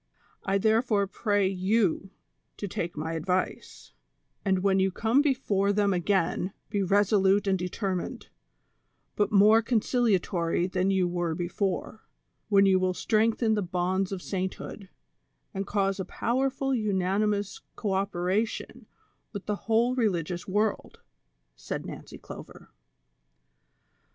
I tlierefore pray you to take my advice ; and when you come before them again be resolute and determined, but more concilia tory than you were before, when you will strengthen the bonds of sainthood, and cause a powerful unanimous co operation with the whole religious world," said Xancy Clover.